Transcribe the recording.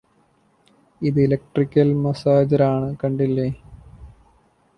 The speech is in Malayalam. ഇത് ഇലക്ട്രിക്കൽ മസാജറാണ്കണ്ടില്ലേ